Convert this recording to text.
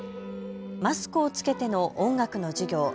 マスクを着けての音楽の授業。